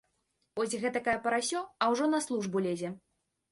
Вось гэтакае парасё, а ўжо на службу лезе.